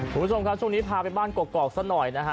คุณผู้ชมครับช่วงนี้พาไปบ้านกอกซะหน่อยนะฮะ